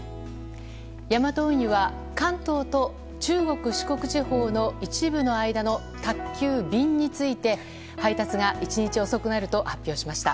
ヤマト運輸は、関東と中国・四国地方の一部の間の宅急便について配達が１日遅くなると発表しました。